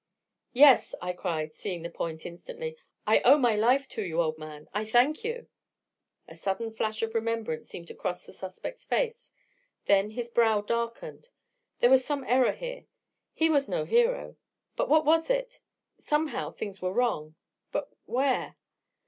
"Yes," I cried, seeing the point instantly. "I owe my life to you, old man. I thank you." A sudden flash of remembrance seemed to cross the suspect's face. Then his brow darkened. There was some error here he was no hero. But what was it? Somehow things were wrong, but where?